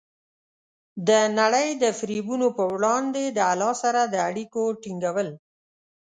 د نړۍ د فریبونو په وړاندې د الله سره د اړیکو ټینګول.